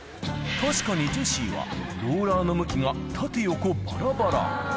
確かにジェシーは、ローラーの向きが縦横ばらばら。